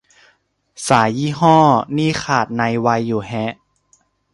สายยี่ห้อ นี่ขาดในไวอยู่แฮะ